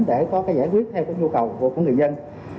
để có cái giải quyết theo cái nhu cầu của người dân